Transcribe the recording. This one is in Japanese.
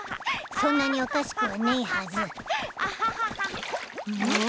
そんなにおかしくはねいはず。